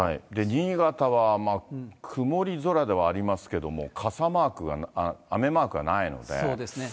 新潟は曇り空ではありますけども、傘マークが、そうですね。